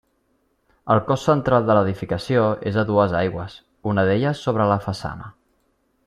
El cos central de l'edificació és a dues aigües, una d'elles sobre la façana.